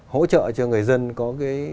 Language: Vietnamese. hỗ trợ cho người dân có